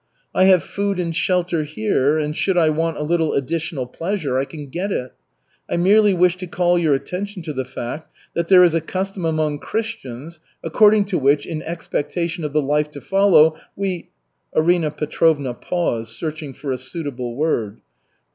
I have food and shelter here, and should I want a little additional pleasure, I can get it. I merely wish to call your attention to the fact that there is a custom among Christians, according to which, in expectation of the life to come, we " Arina Petrovna paused, searching for a suitable word.